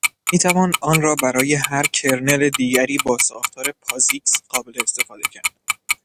میتوان آن را برای هر کرنل دیگری با ساختار پازیکس قابل استفاده کرد.